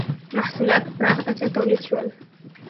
• محصولات په پراخه کچه تولید شول.